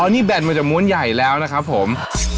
อ๋อนี่แบ่งมาจากมวลใหญ่แล้วนะครับผม